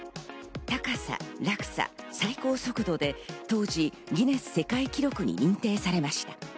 高さ、落差、最高速度で当時、ギネス世界記録に認定されました。